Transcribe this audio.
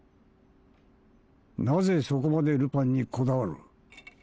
なぜそこまでルパンにこだわる？